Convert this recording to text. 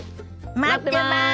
待ってます！